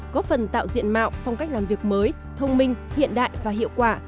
góp phần tạo diện mạo phong cách làm việc mới thông minh hiện đại và hiệu quả